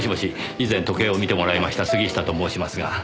以前時計を見てもらいました杉下と申しますが。